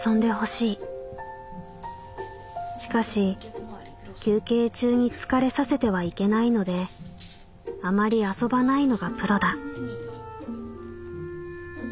しかし休憩中に疲れさせてはいけないのであまり遊ばないのがプロだ」。